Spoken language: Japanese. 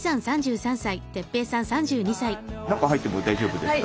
中入っても大丈夫ですか？